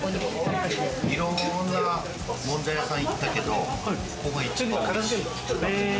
いろんなもんじゃ屋さん行ったけれども、ここが一番美味しい。